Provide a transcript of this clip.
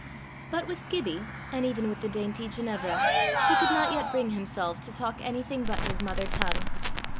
But with Gibbie, and even with the dainty Ginevra, he could not yet bring himself to talk anything but his mother tongue.